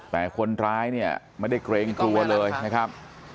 แต่คนร้ายเนี่ยไม่ได้เกรงกลัวเลยนะครับ